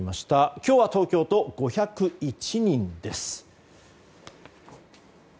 今日は東京都、５０１人です。